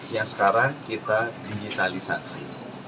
yang sekarang kita digitalisasi